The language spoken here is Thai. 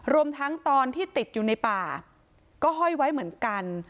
รวมทั้งตอนที่ติดอยู่ในป่าก็ห้อยไว้เหมือนกัน